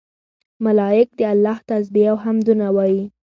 ملائک د الله تسبيح او حمدونه وايي